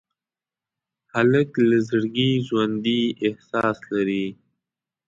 هلک له زړګي ژوندي احساس لري.